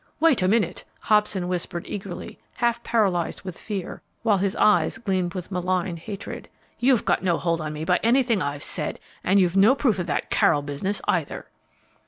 "Wait a moment," Hobson whispered, eagerly, half paralyzed with fear, while his eyes gleamed with malign hatred. "You've got no hold on me by anything I've said, and you've no proof of that Carroll business, either."